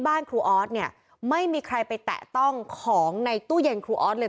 บ้านครูออสเนี่ยไม่มีใครไปแตะต้องของในตู้เย็นครูออสเลย